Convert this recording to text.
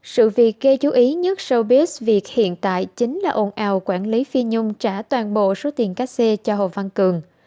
sự việc gây chú ý nhất showbiz việc hiện tại chính là ồn ào quản lý phi nhung trả toàn bộ số tiền cắt xe cho hồ văn cường